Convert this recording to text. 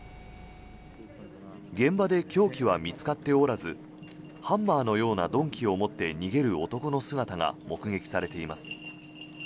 現場で凶器は見つかっておらずハンマーのような鈍器を持って逃げる男の姿が目撃されています。